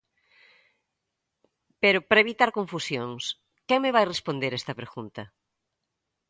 Pero, para evitar confusións, ¿quen me vai responder a esta pregunta?